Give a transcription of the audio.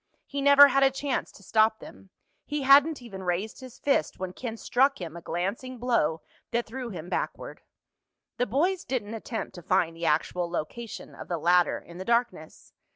He never had a chance to stop them. He hadn't even raised his fist when Ken struck him a glancing blow that threw him backward. The boys didn't attempt to find the actual location of the ladder in the darkness.